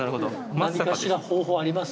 何かしら方法あります？